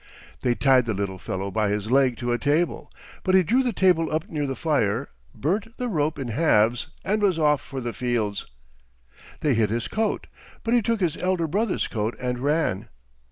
They tied the little fellow by his leg to a table, but he drew the table up near the fire, burnt the rope in halves, and was off for the fields. They hid his coat, but he took his elder brother's coat and ran.